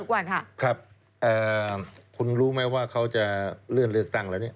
ครับคุณรู้ไหมว่าเขาจะเลื่อนเลือกตั้งแล้วเนี่ย